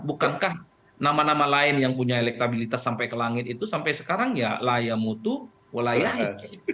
bukankah nama nama lain yang punya elektabilitas sampai ke langit itu sampai sekarang ya layamutu walayahi